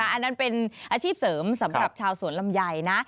อันนั้นเป็นอาชีพเสริมสำหรับชาวสวนลำไยนะ